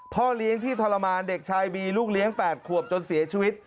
พ่อเลี้ยงที่ทรมานเด็กชายบีลูกเลี้ยง๘ขวบจนเสียชีวิต